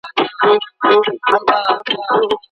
د محصلینو لیلیه په چټکۍ نه ارزول کیږي.